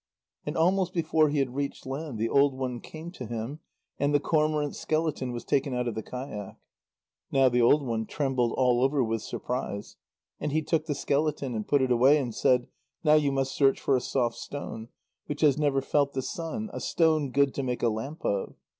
And almost before he had reached land, the old one came to him, and the cormorant skeleton was taken out of the kayak. Now the old one trembled all over with surprise. And he took the skeleton, and put it away, and said: "Now you must search for a soft stone, which has never felt the sun, a stone good to make a lamp of."